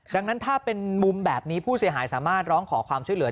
ดังนั้นถ้าเป็นมุมแบบนี้ผู้เสียหายสามารถร้องขอความช่วยเหลือ